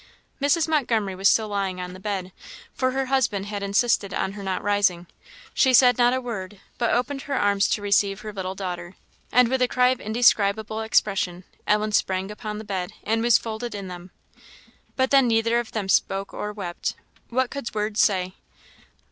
Mrs. Montgomery was still lying on the bed, for her husband has insisted on her not rising. She said not a word, but opened her arms to receive her little daughter; and with a cry of indescribable expression, Ellen sprang upon the bed, and was folded in them. But then neither of them spoke or wept. What could words say?